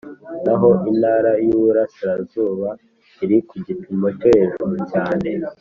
naho intara y Uburasirazuba iri ku gipimo cyo hejuru cyane